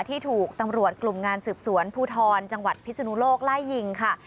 ที่ถูกตำรวจกลุ่มงานสืบสวนภูทรจังหวัดพิศนุโลกไล่ยิงค่ะ